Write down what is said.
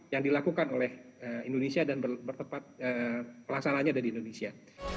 yang dilakukan oleh indonesia dan pelaksananya ada di indonesia